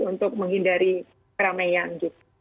untuk menghindari keramaian